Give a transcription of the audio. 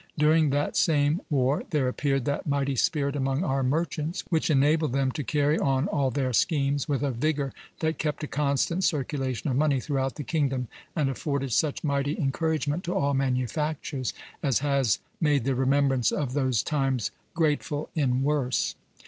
During that same war "there appeared that mighty spirit among our merchants which enabled them to carry on all their schemes with a vigor that kept a constant circulation of money throughout the kingdom, and afforded such mighty encouragement to all manufactures as has made the remembrance of those times grateful in worse."